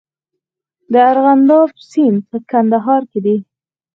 د ارغنداب سیند په کندهار کې دی